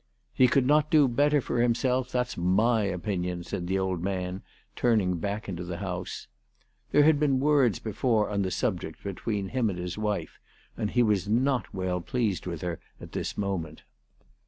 "He could not do better for himself. That's my opinion," said the old man, turning back into the house. There had been words before on the subject between him and his wife, and he was not well pleased with her at this moment.